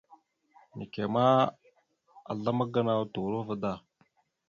Neke ma, aslam gənaw turova da.